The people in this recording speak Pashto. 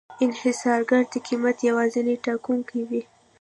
انحصارګر د قیمت یوازینی ټاکونکی وي.